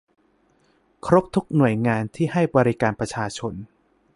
ครบทุกหน่วยงานที่ให้บริการประชาชน